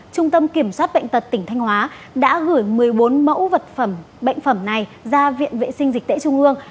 trung tâm kiểm soát bệnh tật tỉnh thanh hóa đã gửi một mươi bốn mẫu vật bệnh phẩm này ra viện vệ sinh dịch tễ trung ương